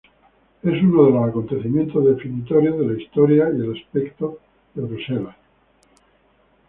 Es uno de los acontecimientos definitorios de la historia y el aspecto de Bruselas.